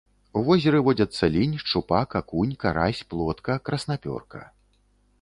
У возеры водзяцца лінь, шчупак, акунь, карась, плотка, краснапёрка.